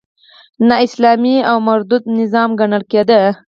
نا اسلامي او مردود نظام ګڼل کېده.